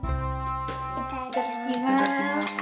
いただきます。